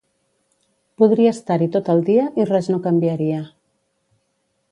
Podria estar-hi tot el dia i res no canviaria.